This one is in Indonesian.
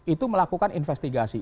itu melakukan investigasi